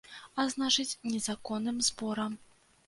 А значыць, незаконным зборам.